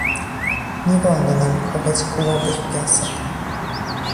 Nie wolno nam chować głowy w piasek